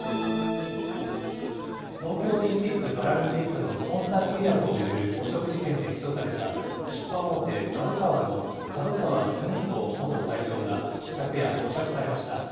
東京オリンピック・パラリンピックのスポンサー契約を巡る汚職事件で起訴された出版大手、ＫＡＤＯＫＡＷＡの角川歴彦元会長が、昨夜、保釈されました。